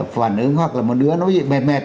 phản ứng hoặc là một đứa nó bị mệt